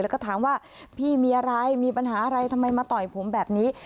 แล้วก็ถามว่าพี่มีอะไรมีปัญหาอะไรทำไมมาต่อยผมแบบนี้